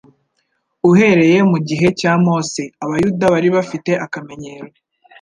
Uhereye mu gihe cya Mose, abayuda bari bafite akamenyero